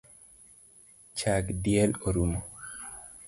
Chag diel orumo